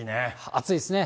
暑いですね。